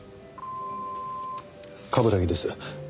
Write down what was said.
冠城です。